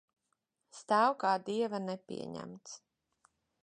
Stāv kā dieva nepieņemts.